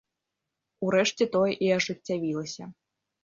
Урэшце тое і ажыццявілася.